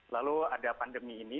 lalu ada pandemi ini